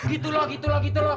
gitu loh gitu loh gitu loh